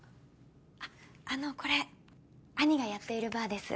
ああのこれ兄がやっているバーです。